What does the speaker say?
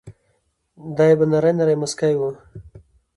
دای به نری نری مسکی و.